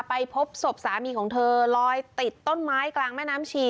ไปพบศพสามีของเธอลอยติดต้นไม้กลางแม่น้ำชี